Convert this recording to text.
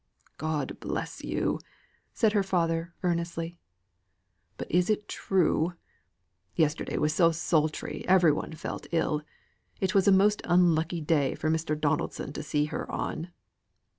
"God bless you," said her father earnestly. "But is it true? Yesterday was so sultry every one felt ill. It was a most unlucky day for Mr. Donaldson to see her on."